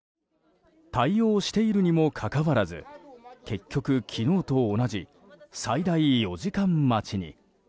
対応しているにもかかわらず結局、昨日と同じ最大４時間待ちに。